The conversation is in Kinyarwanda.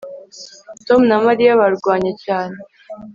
Tom na Mariya barwanye cyane